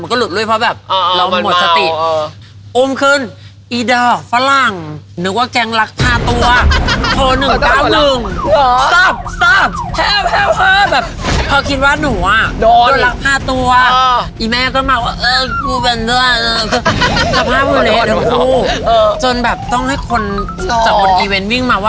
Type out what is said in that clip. เข้าไปตอนแรกพวกพี่เขาก็งง